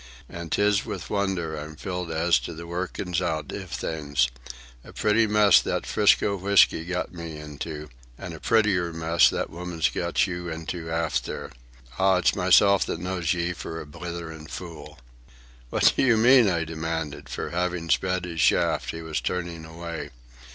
"An' 'tis with wonder I'm filled as to the workin' out iv things. A pretty mess that 'Frisco whisky got me into, an' a prettier mess that woman's got you into aft there. Ah, it's myself that knows ye for a blitherin' fool." "What do you mean?" I demanded; for, having sped his shaft, he was turning away.